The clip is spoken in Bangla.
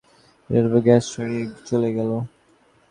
অন্তরালে আসিয়া দেখিলাম, সে ত্রস্তভাবে গ্যাসপোস্ট ছাড়িয়া চলিয়া গেল।